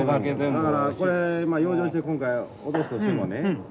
だからこれ養生して今回落とすとしてもね